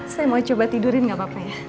saya mau coba tidurin gak apa apa ya